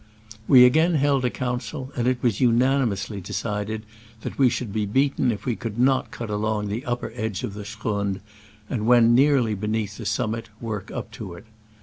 We again held a council, and it was unanimously decided that we should be beaten if we could not cut along the upper edge of the schrund, and, when nearly beneath the summit, work up to it.